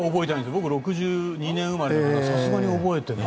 僕は１９６２年生まれだからさすがに覚えてない。